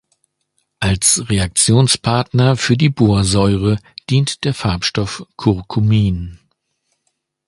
Als Reaktionspartner für die Borsäure dient der Farbstoff Curcumin.